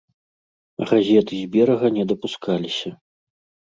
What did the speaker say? Газеты з берага не дапускаліся.